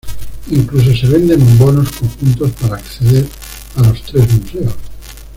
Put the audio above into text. Incluso se venden bonos conjuntos para acceder a los tres museos.